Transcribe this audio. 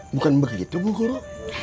bukan begitu bu guru